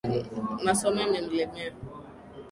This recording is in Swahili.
Masomo yamemlemea